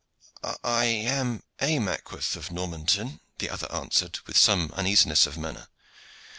"I am a Mackworth of Normanton," the other answered, with some uneasiness of manner.